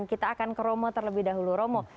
kita akan ke romo terlebih dahulu romo